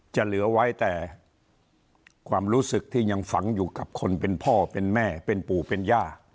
จะเหลือไว้แต่ความรู้สึกที่ยังฝังอยู่กับคนเป็นพ่อเป็นแม่เป็นปู่เป็นย่า